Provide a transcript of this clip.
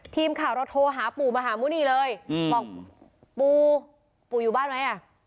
ทีมข่าวเราโทรหาปู่มหาหมุนีเลยบอกปู่ปู่อยู่บ้านไหมอ่ะ